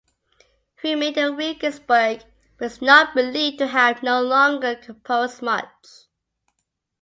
He remained in Regensburg but is not believed to have no longer composed much.